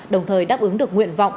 đồng thời đáp ứng được nguyện vọng